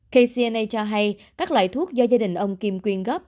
kcna cho hay các loại thuốc do gia đình ông kim quyên góp